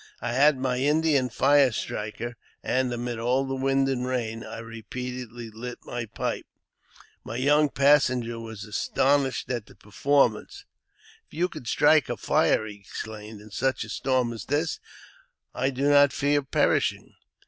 I had my Indian fire striker, and, amid all the wind and rain, I repeatedly lit my|jB pipe. My young passenger was astonished at the performance, >*' If you can strike a fire," he exclaimed, *' in such a storm as this, I do not fear perishing."